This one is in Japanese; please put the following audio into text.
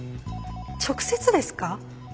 直接ですか？